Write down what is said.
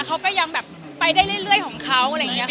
เขาก็ยังแบบไปได้เรื่อยของเขาอะไรอย่างนี้ค่ะ